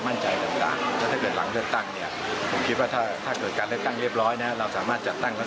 วันนี้การเมืองบ้านเรานี่มันมีสัญลภาพ